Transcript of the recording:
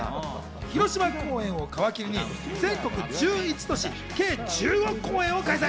広島公演を皮切りに全国１１都市、計１５公演を開催。